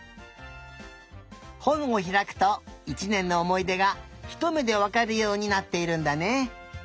ほんをひらくと１ねんのおもいでがひとめでわかるようになっているんだね。